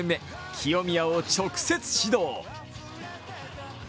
清宮を直接指導。